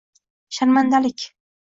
Sharmandalik?